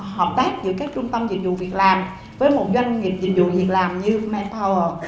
hợp tác giữa các trung tâm dịch vụ việc làm với một doanh nghiệp dịch vụ việc làm như manpower